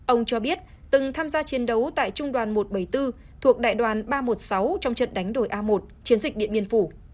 ông cho biết từng tham gia chiến đấu tại trung đoàn một trăm bảy mươi bốn thuộc đại đoàn ba trăm một mươi sáu trong trận đánh đổi a một chiến dịch điện biên phủ